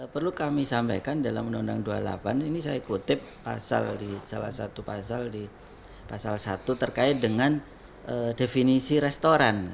perlu kami sampaikan dalam undang undang no dua puluh delapan ini saya kutip salah satu pasal terkait dengan definisi restoran